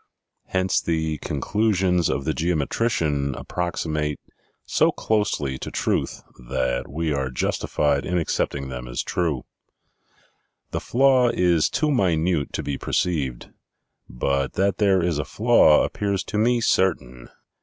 Hence, the conclusions of the geometrician approximate so closely to truth that we are justified in accepting them as true. The flaw is too minute to be perceived. But that there is a flaw appears to me certain.